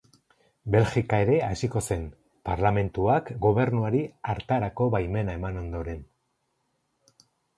Belgika ere hasiko zen, parlamentuak gobernuari hartarako baimena eman ondoren.